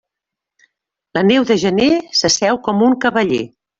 La neu de gener s'asseu com un cavaller.